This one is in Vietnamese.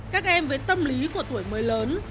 các em với tâm lý của tuổi mới lớn